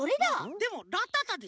でも「らたた」でしょ。